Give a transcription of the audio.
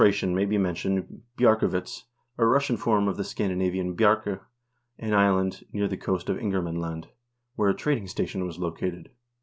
tiii; VIKING PERIOD 67 Bjarkowitz, a Russian form of the Scandinavian Bjark0, an island near the coast of Ingermanland, where a trading station was located.